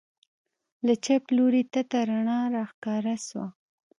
له چپ لوري تته رڼا راښکاره سوه.